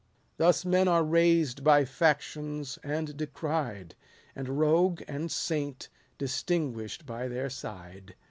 Thus men are raised by factions, and decried ; And rogue and saint distinguish'd by their side.